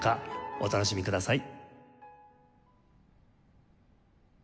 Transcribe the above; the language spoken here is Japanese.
お楽しみください。